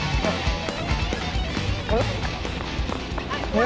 あれ？